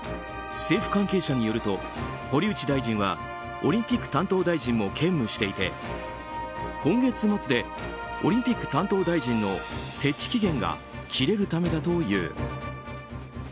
政府関係者によると堀内大臣はオリンピック担当大臣も兼務していて今月末でオリンピック担当大臣の設置期限が切れるためだという。